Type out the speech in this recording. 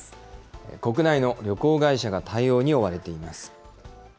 国内の旅行会社が対応に追われています。